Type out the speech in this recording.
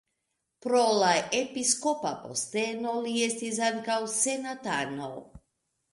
Pro la episkopa posteno li estis ankaŭ senatano.